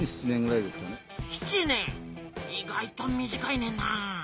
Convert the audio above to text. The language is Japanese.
意外と短いねんな。